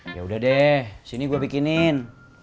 yaudah deh sini gua bikinin